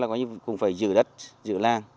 cũng phải giữ đất giữ làng